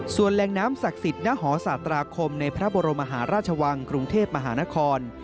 ส่วนแหล่งน้ำศักดิ์สิทธิ์ณหศาตราคมในพระบรมมหาราชวังกรุงเทพมหานคร